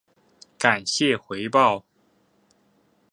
感謝回報